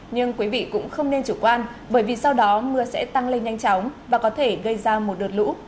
nhưng quý vị cũng không nên chủ quan bởi vì sau đó mưa sẽ tăng lên nhanh chóng và có thể gây ra một đợt lũ